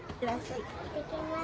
いってきます。